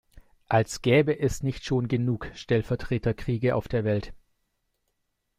Als gäbe es nicht schon genug Stellvertreterkriege auf der Welt.